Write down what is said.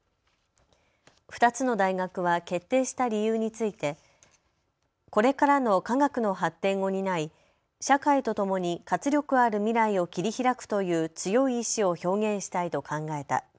２つの大学は決定した理由についてこれからの科学の発展を担い社会とともに活力ある未来を切り開くという強い意志を表現したいと考えた。